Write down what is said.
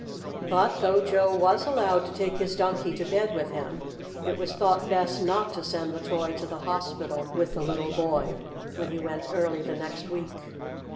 But though Joe was allowed to take his Donkey to bed with him, it was thought best not to send the toy to the hospital with the little boy, when he went early the next week.